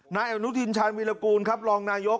นายอนุทินชาญวิรากูลครับรองนายก